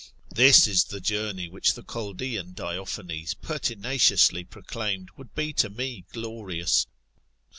This is the journey which the Chaldean Diophanes pertinaciously proclaimed would be to me glorious.